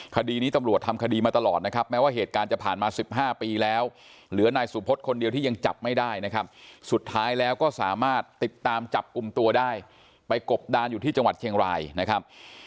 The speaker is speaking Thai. คดีนี้ตำรวจทำคดีมาตลอดนะครับแม้ว่าเหตุการณ์จะผ่านมา๑๕ปีแล้วเหลือนายสุพธคนเดียวที่ยังจับไม่ได้นะครับสุดท้ายแล้วก็สามารถติดตามจับกลุ่มตัวได้ไปกบดานอยู่ที่จังหวัดเชียงรายนะครับ